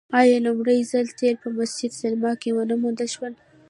آیا لومړی ځل تیل په مسجد سلیمان کې ونه موندل شول؟